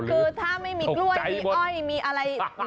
ณที่จะนั้นถ้าไม่มีกล้วยไม่มีอ้อยมีอะไร